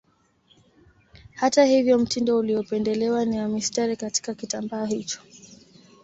Hata hivyo mtindo uliopendelewa ni wa mistari katika kitambaa hicho